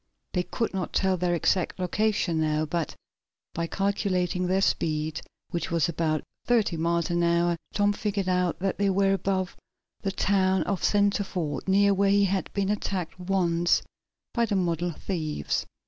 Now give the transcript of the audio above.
They could not tell their exact location now, but by calculating their speed, which was about thirty miles an hour, Tom figured out that they were above the town of Centreford, near where he had been attacked once by the model thieves.